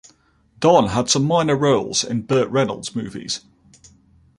Don had some minor roles in Burt Reynolds movies.